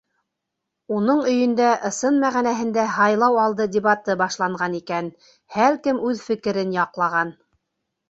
Уның өйөндә ысын мәғәнәһендә һайлау алды дебаты башланған икән — һәр кем үҙ фекерен яҡлаған.